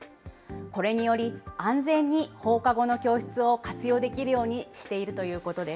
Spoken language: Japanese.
これにより、安全に放課後の教室を活用できるようにしているということです。